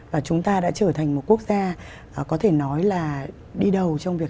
và chúng ta đã trở thành một quốc gia có thể nói là đi đầu trong việc